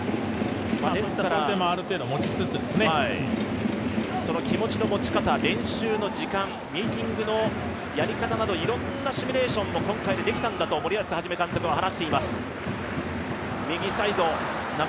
想定も持ちつつ、その気持ちの持ち方、練習の時間ミーティングのやり方などいろんなシミュレーションが今回でできたんだと森保一監督は話しています。